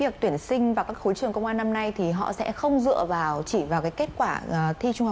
nếu mà muốn vào khối ngành công an thì phải nỗ lực cả một quá trình